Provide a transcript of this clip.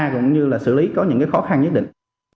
cũng như là xử lý có những khó khăn nhất định